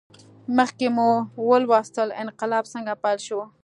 مخکې مو ولوستل انقلاب څنګه پیل شو.